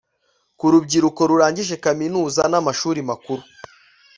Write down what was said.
ku rubyiruko rurangije kaminuza n'amashuri makuru